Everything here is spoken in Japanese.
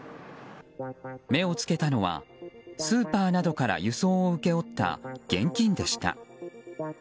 目をつけたのはスーパーなどから輸送を請け負った現金でした。